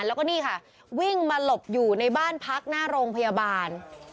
แล้วก็นี่ค่ะวิ่งมาหลบอยู่ในบ้านพักหน้าโรงพยาบาล